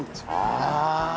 ああ。